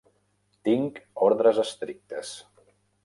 Tinc ordres estrictes.